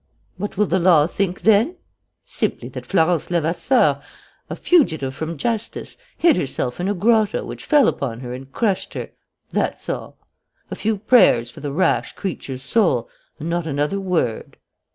"What will the law think then? Simply that Florence Levasseur, a fugitive from justice, hid herself in a grotto which fell upon her and crushed her. That's all. A few prayers for the rash creature's soul, and not another word.